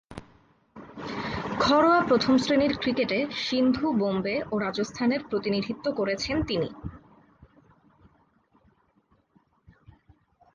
ঘরোয়া প্রথম-শ্রেণীর ক্রিকেটে সিন্ধু, বোম্বে ও রাজস্থানের প্রতিনিধিত্ব করেছেন তিনি।